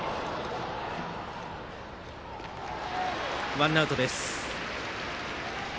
ワンアウトです。